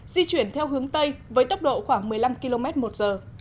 di chuyển theo hướng tây với tốc độ khoảng một mươi năm km một giờ